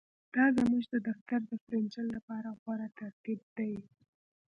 دا زموږ د دفتر د فرنیچر لپاره غوره ترتیب دی